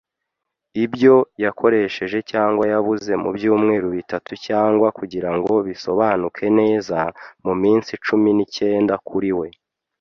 ibyo yakoresheje cyangwa yabuze mu byumweru bitatu, cyangwa kugirango bisobanuke neza, muminsi cumi n'icyenda, kuri we